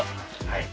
はい。